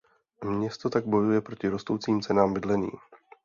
Město tak bojuje proti rostoucím cenám bydlení.